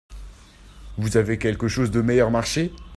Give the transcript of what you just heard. Vous avez quelque chose de meilleur marché ?